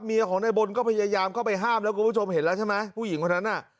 ของนายบนก็พยายามเข้าไปห้ามแล้วคุณผู้ชมเห็นแล้วใช่ไหมผู้หญิงคนนั้นน่ะ